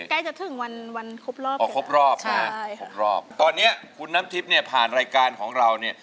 ใกล้จะถึงวันวันครบรอบอ๋อครบรอบนะใช่หกรอบตอนเนี้ยคุณน้ำทิพย์เนี่ยผ่านรายการของเราเนี่ย